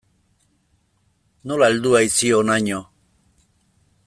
Nola heldu haiz hi honaino?